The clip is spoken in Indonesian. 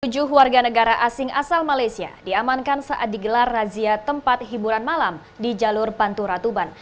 tujuh warga negara asing asal malaysia diamankan saat digelar razia tempat hiburan malam di jalur pantura tuban